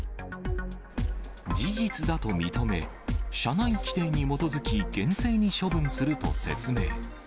事実だと認め、社内きていに基づき厳正に処分すると説明。